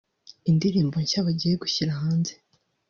Iyi ndirimbo nshya bagiye gushyira hanze